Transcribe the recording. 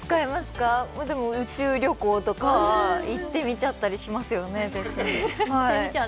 でも宇宙旅行とか行ってみちゃったりしますよね。